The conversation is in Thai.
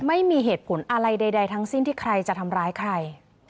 ไม่มีเหตุผลอะไรใดทั้งสิ้นที่ใครจะทำร้ายใคร